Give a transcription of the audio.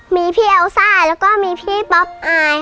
มีพี่อัลซ่าแล้วก็มีพี่ป๊อปอาย